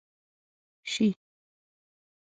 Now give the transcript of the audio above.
شي،